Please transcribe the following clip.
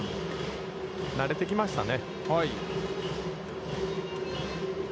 なれてきましたね。